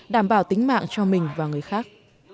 đảm bảo tính mạng cho mình và người khác